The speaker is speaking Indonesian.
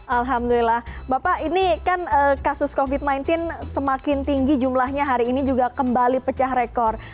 alhamdulillah bapak ini kan kasus covid sembilan belas semakin tinggi jumlahnya hari ini juga kembali pecah rekor